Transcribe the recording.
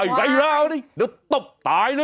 ไอ้เบกย่าวนี่เราตกตายเลย